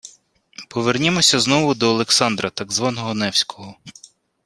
Повернімося знову до Олександра, так званого Невського